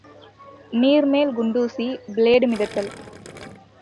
நீர் மேல் குண்டுசி, பிளேடு மிதத்தல்.